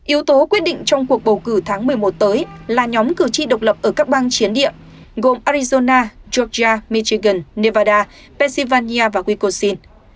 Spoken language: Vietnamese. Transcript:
yếu tố quyết định trong cuộc bầu cử tháng một mươi một tới là nhóm cử tri độc lập ở các bang chiến địa gồm arizona georgia michigan nevada pesilvania và wikosin